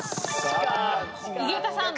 井桁さん。